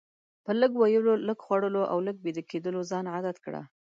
په لږ ویلو، لږ خوړلو او لږ ویده کیدلو ځان عادت کړه.